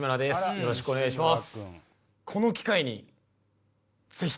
よろしくお願いします。